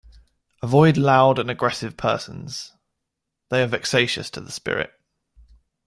Avoid loud and aggressive persons; they are vexatious to the spirit.